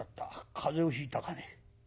風邪をひいたかね。